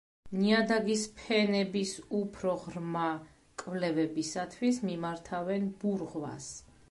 ნიადაგის ფენების უფრო ღრმა კვლევებისათვის მიმართავენ ბურღვას.